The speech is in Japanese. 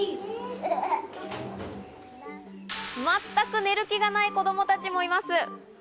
全く寝る気がない子供たちもいます。